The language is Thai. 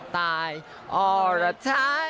ตายออระตาย